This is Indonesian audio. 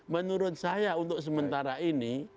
menurut saya untuk sementara ini